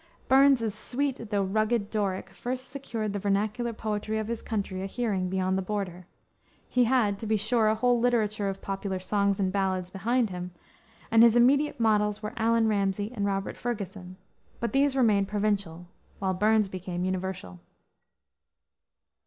Burns's sweet though rugged Doric first secured the vernacular poetry of his country a hearing beyond the border. He had, to be sure, a whole literature of popular songs and ballads behind him, and his immediate models were Allan Ramsay and Robert Ferguson; but these remained provincial, while Burns became universal.